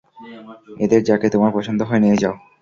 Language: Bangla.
এদের যাকে তোমার পছন্দ হয় নিয়ে যাও।